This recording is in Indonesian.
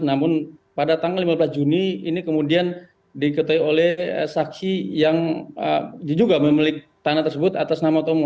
namun pada tanggal lima belas juni ini kemudian diikuti oleh saksi yang juga memiliki tanah tersebut atas nama tomo